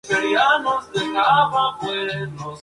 Luego comenzó a imprimir billetes de diez chelines.